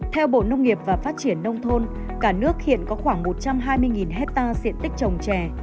theo bộ nông nghiệp và phát triển nông thôn cả nước hiện có khoảng một trăm hai mươi hectare diện tích trồng trè